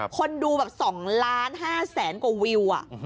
คนดูแบบ๒ล้าน๕แสนกว่าวิว